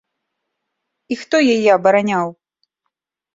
І хто яе абараняў?